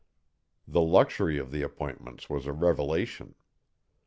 The luxury of the appointments was a revelation.